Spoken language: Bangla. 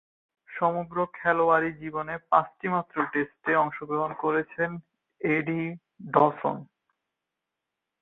সমগ্র খেলোয়াড়ী জীবনে পাঁচটিমাত্র টেস্টে অংশগ্রহণ করেছেন এডি ডসন।